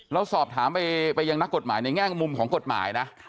เราสอบถามไปยังนักกฎหมายในแง่มุมของกฎหมายนะ